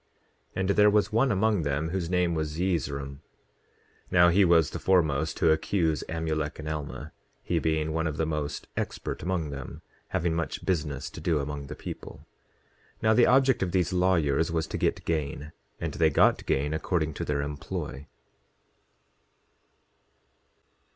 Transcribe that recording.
10:31 And there was one among them whose name was Zeezrom. Now he was the foremost to accuse Amulek and Alma, he being one of the most expert among them, having much business to do among the people. 10:32 Now the object of these lawyers was to get gain; and they got gain according to their employ.